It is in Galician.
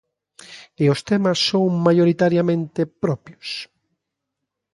E os temas son maioritariamente propios?